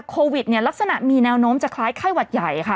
โควิดเนี่ยลักษณะมีแนวโน้มจะคล้ายไข้หวัดใหญ่ค่ะ